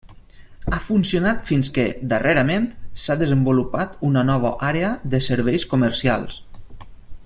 Ha funcionat fins que, darrerament, s'ha desenvolupat una nova àrea de serveis comercials.